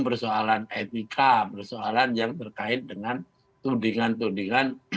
persoalan etika persoalan yang terkait dengan tudingan tudingan